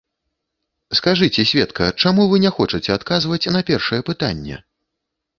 Скажыце, сведка, чаму вы не хочаце адказваць на першае пытанне?